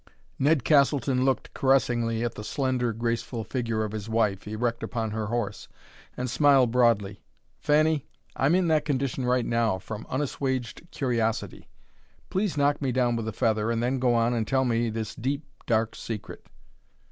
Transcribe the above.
Ned Castleton looked caressingly at the slender, graceful figure of his wife, erect upon her horse, and smiled broadly. "Fanny, I'm in that condition right now, from unassuaged curiosity. Please knock me down with a feather and then go on and tell me this deep, dark secret."